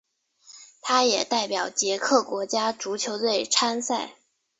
他也代表捷克国家足球队参赛。